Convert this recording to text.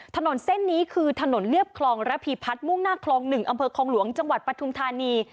ถนนเส้นนี้คือถนนเลือบคลองระพีพัดมุ่งหน้าคลอง๑อคลจังหวัดปทุมธานี